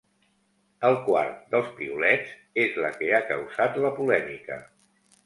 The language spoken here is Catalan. El quart dels piulets és la que ha causat la polèmica.